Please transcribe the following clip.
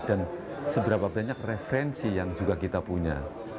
dan seberapa banyak referensi yang juga kita punya